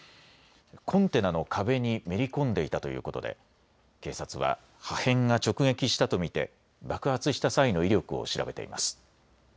コンテナの壁にめり込んでいたということで警察は破片が直撃したと見て爆発した際の威力を調べています。